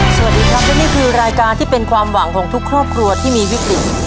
สวัสดีครับและนี่คือรายการที่เป็นความหวังของทุกครอบครัวที่มีวิกฤต